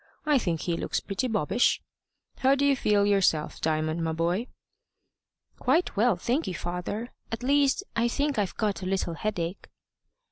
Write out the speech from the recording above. I think he looks pretty bobbish. How do you feel yourself, Diamond, my boy?" "Quite well, thank you, father; at least, I think I've got a little headache."